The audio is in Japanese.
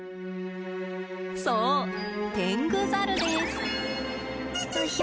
そうテングザルです！